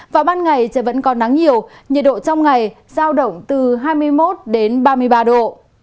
vào ban ngày trời vẫn còn nắng nhiều nhiệt độ trong ngày giao động từ hai mươi một ba mươi ba độ